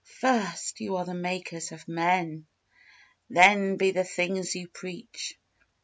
First: You are makers of men! Then Be the things you preach!